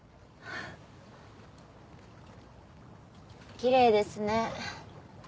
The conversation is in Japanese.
きれいですね。